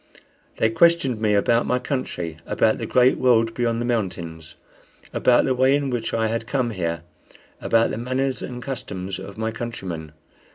They questioned me about my country, about the great world beyond the mountains, about the way in which I had come here, about the manners and customs of my countrymen.